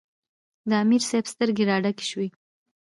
د امیر صېب سترګې راډکې شوې ـ